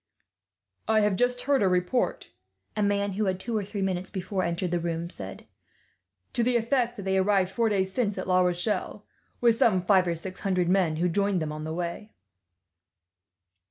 "I have just heard a report," a man who had, two or three minutes before, entered the room said, "to the effect that they arrived four days since at La Rochelle, with some five or six hundred men, who joined them on the way."